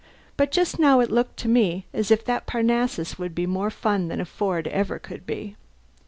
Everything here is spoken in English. But just now it looked to me as if that Parnassus would be more fun than a Ford ever could be.